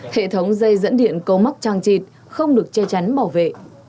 hệ thống dây dẫn điện cầu mắc trang trịt không được che chắn bảo vệ